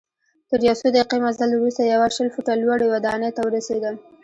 تر یو څو دقیقې مزل وروسته یوه شل فوټه لوړي ودانۍ ته ورسیدم.